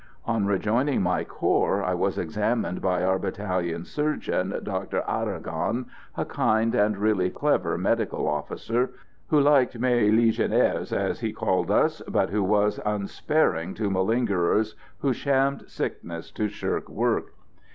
On rejoining my corps I was examined by our battalion surgeon, Dr Aragon, a kind and really clever medical officer, who liked "mes legionnaires," as he called us, but who was unsparing to malingerers who shammed sickness to shirk work.